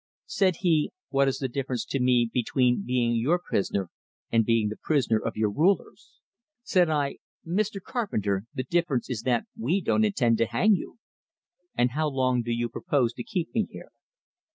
Said he: "What is the difference to me between being your prisoner and being the prisoner of your rulers?" Said I: "Mr. Carpenter, the difference is that we don't intend to hang you." "And how long do you propose to keep me here?"